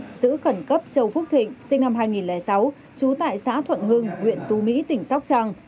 bắt giữ khẩn cấp châu phúc thịnh sinh năm hai nghìn sáu trú tại xã thuận hưng huyện tú mỹ tỉnh sóc trăng